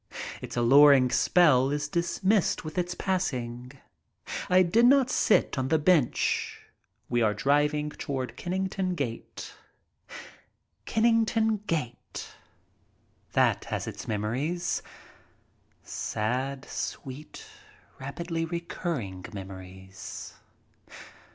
Its alluring spell is dismissed with its passing. I did not sit on the bench. We are driving toward Kenning ton Gate. Kennington Gate. That has its memories. Sad, sweet, rapidly recurring memories.